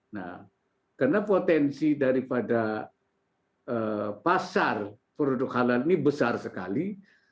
nah karena potensi daripada pasar produk halal ini besar sekali